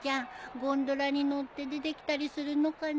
ゴンドラに乗って出てきたりするのかな？